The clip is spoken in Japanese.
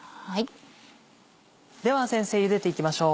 では先生ゆでていきましょう。